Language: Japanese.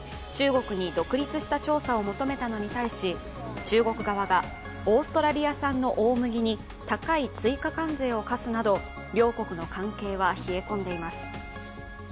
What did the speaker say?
中国に独立した調査を求めたのに対し中国側がオーストラリア産の大麦に高い追加関税を課すなど両国の関係は冷え込んでいます。